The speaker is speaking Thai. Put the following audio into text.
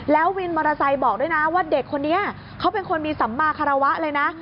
แล้ววินมอเตอร์ไซค์บอกด้วยนะว่าเด็กคนนี้เขาเป็นคนมีสัมมาคารวะเลยนะ